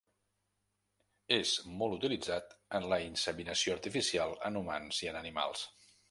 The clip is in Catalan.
És molt utilitzat en la inseminació artificial en humans i en animals.